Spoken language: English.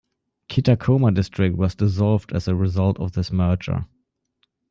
Kitakoma District was dissolved as a result of this merger.